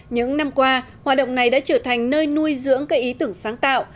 những năm qua hoạt động này đã trở thành nơi nuôi dưỡng các ý tưởng sáng tạo